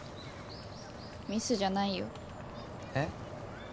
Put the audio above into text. ミスじゃないよえっ？